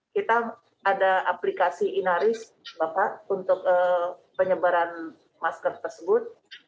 kita ada aplikasi inaris bapak untuk penyebaran masker tersebut